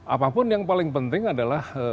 apapun yang paling penting adalah